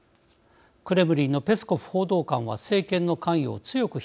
クレムリンのペスコフ報道官は政権の関与を強く否定しています。